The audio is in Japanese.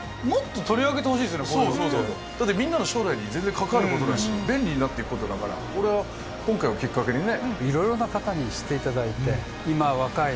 みんなの将来に関わることだし便利になっていくことだから今回をきっかけにね。